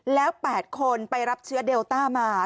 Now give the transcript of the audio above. แล้ว๘คนไปรับเชื้อเดลต้ามา